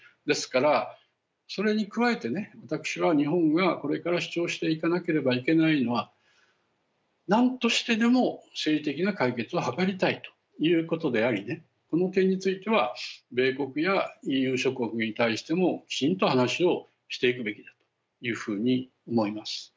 ですからそれに加えて私は日本がこれから主張していかなければいけないのはなんとしてでも政治的な解決を図りたいということでありこの点については米国やＥＵ諸国に対してもきちんと話をしていくべきだというふうに思います。